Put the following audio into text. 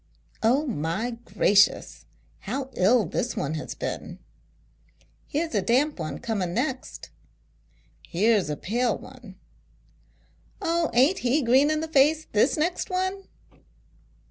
" Oh, my gracious ! how ill this one has been !"" Here's a damp one coming next !"" Here's a pale one !"" Oh ! Aint he green in the face, this next one